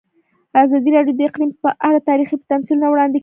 ازادي راډیو د اقلیم په اړه تاریخي تمثیلونه وړاندې کړي.